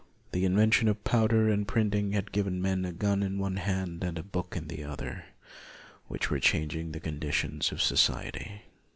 The invention of powder and of printing had given men a gun in one hand and a book in the other, which were changing the conditions of society.